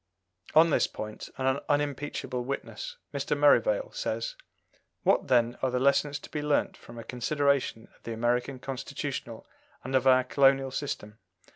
On this point an unimpeachable witness Mr. Merivale says: "What, then, are the lessons to be learnt from a consideration of the American Constitution and of our colonial system?